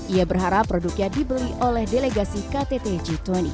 ia berharap produknya dibeli oleh delegasi ktt g dua puluh